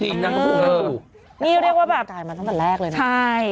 ที่นั่งตัวนั่งตัวนี่ก็เรียกว่าแบบตายมาตั้งแต่แรกเลยน่ะใช่